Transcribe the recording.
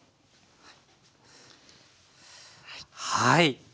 はい。